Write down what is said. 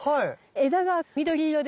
枝が緑色でしょ。